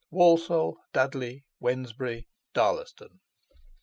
WALSALL, DUDLEY, WEDNESBURY, DARLASTON.